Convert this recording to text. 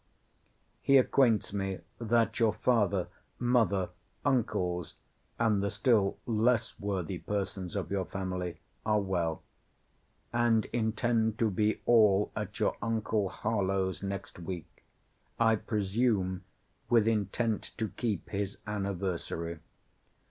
He acquaints me that your father, mother, uncles, and the still less worthy persons of your family, are well; and intend to be all at your uncle Harlowe's next week; I presume, with intent to keep his anniversary.